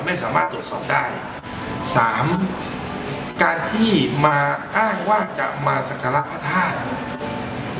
ไม่สามารถตรวจสอบได้สามการที่มาอ้างว่าจะมาสักการะพระธาตุ